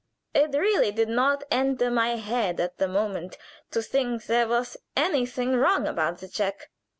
It really did not enter my head at the moment to think there was anything wrong about the check.